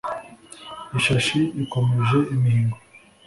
ishashi ikomeje imihigo